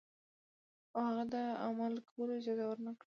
او هغه ته د عمل کولو اجازه ورنکړو.